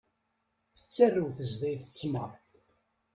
Tettarew tezdayt ttmeṛ.